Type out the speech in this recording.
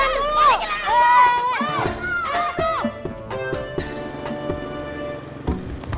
jalan jalan jalan